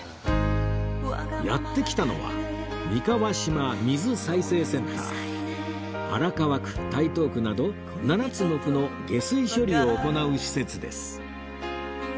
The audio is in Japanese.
やって来たのは荒川区台東区など７つの区の下水処理を行う施設です